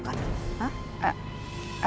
masih tidak apa apa